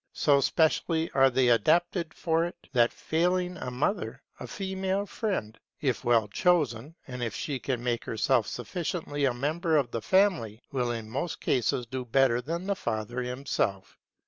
So specially are they adapted for it, that failing the mother, a female friend, if well chosen, and if she can make herself sufficiently a member of the family, will in most cases do better than the father himself.